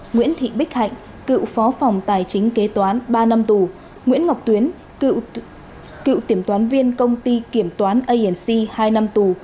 nguyễn thị bích hạnh cựu phó phòng tài chính kế toán ba năm tù nguyễn ngọc tuyến cựu kiểm toán viên công ty kiểm toán anc hai năm tù